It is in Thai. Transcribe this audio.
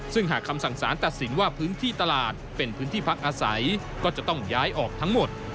ซึ่งหากคำสั่งสารตัดสินว่าพื้นที่ตลาดเป็นพื้นที่พักอาศัยก็จะต้องย้ายออกทั้งหมด